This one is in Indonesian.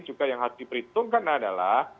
juga yang harus diperhitungkan adalah